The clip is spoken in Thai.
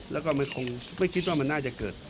แล้วก็ไม่คงคิดว่ามันน่าจะเกิด